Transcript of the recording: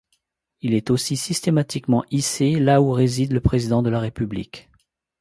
Il est aussi systématiquement hissé là où réside le président de la République.